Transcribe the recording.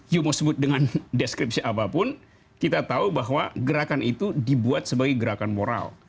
you mau sebut dengan deskripsi apapun kita tahu bahwa gerakan itu dibuat sebagai gerakan moral